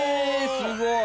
すごい！